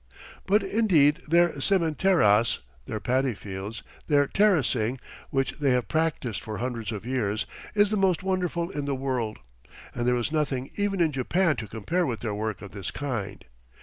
But indeed their sementeras their paddy fields their terracing, which they have practised for hundreds of years, is the most wonderful in the world, and there is nothing even in Japan to compare with their work of this kind.